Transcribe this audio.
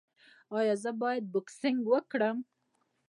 ایا زه باید بوکسینګ وکړم؟